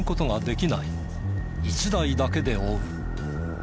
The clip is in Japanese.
１台だけで追う。